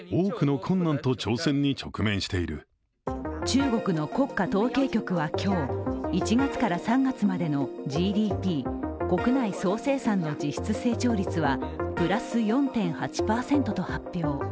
中国の国家統計局は今日、１月から３月までのＧＤＰ＝国内総生産の実質成長率はプラス４．８％と発表。